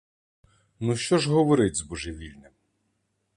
Ну, що ж говорить з божевільним?